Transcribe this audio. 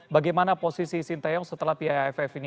bagaimana posisi sinteyong setelah piala aff ini